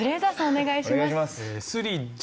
お願いします。